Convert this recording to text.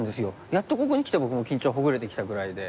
やっとここにきて僕も緊張がほぐれてきたぐらいで。